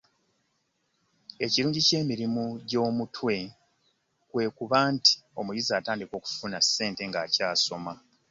Emirungi ky'emirimu gy'omutwe kwe kuba nti omuyizi atandika okufuna ssente ng'akyasoma.